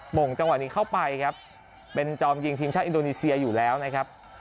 ่งจังหวะนี้เข้าไปครับเป็นจอมยิงทีมชาติอินโดนีเซียอยู่แล้วนะครับ